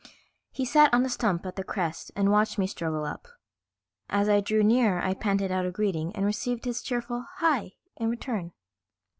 He sat on a stump at the crest and watched me struggle up. As I drew nearer I panted out a greeting and received his cheerful "Hi" in return.